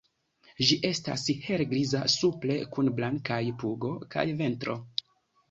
Ĝi estas helgriza supre kun blankaj pugo kaj ventro.